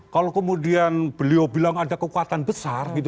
kalau kemudian beliau bilang ada kekuatan besar gitu